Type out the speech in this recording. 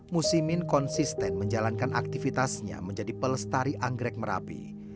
musimin konsisten menjalankan aktivitasnya menjadi pelestari anggrek merapi